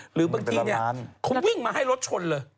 หรือบางทีเขาวิ่งมาให้รถชนเลย